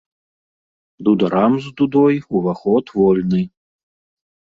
Дударам з дудой уваход вольны!